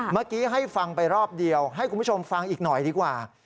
เมื่อกี้ให้ฟังไปรอบเดียวให้คุณผู้ชมฟังอีกหน่อยดีกว่า